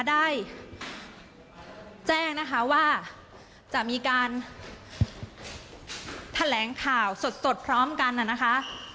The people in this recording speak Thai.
ได้แจ้งนะคะว่าจะมีการแถลงข่าวสดพร้อมกันนะคะ